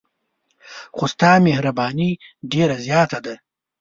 خو ستا مهرباني ډېره زیاته ده.